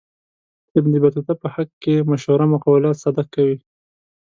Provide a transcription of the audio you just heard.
ابن بطوطه په حق کې مشهوره مقوله صدق کوي.